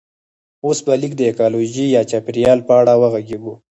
اوس به لږ د ایکولوژي یا چاپیریال په اړه وغږیږو